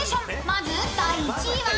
まず第１位は？］